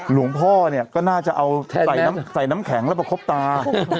หลวงพ่อเนี่ยก็น่าจะเอาใส่น้ำแข็งแล้วประคบตา